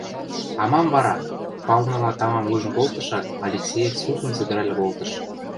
А мам вара! – палныла тамам ужын колтышат, Алексеев сусун сӹгӹрӓл колтыш.